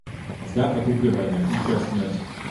Пасля пакутлівая няхуткая смерць.